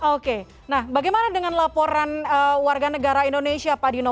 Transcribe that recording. oke nah bagaimana dengan laporan warga negara indonesia pak dino